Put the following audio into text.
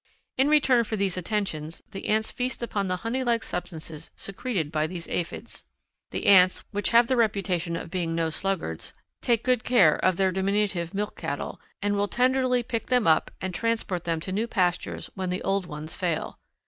In return for these attentions the ants feast upon the honey like substances secreted by these aphids. The ants, which have the reputation of being no sluggards, take good care of their diminutive milch cattle, and will tenderly pick them up and transport them to new pastures when the old ones fail.